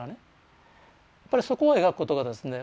やっぱりそこを描くことがですね